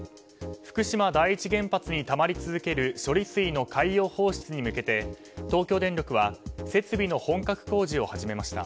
福島第一原発にたまり続ける処理水の海洋放出に向けて東京電力は設備の本格工事を始めました。